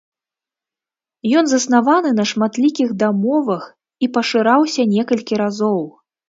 Ён заснаваны на шматлікіх дамовах і пашыраўся некалькі разоў.